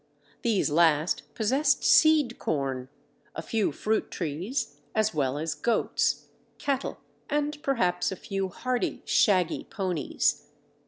These last possessed seed corn, a few fruit trees as well as goats, cattle, and perhaps a few hardy, shaggy ponies.